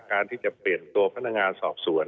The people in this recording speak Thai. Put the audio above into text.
การที่จะเปลี่ยนตัวพนักงานสอบสวน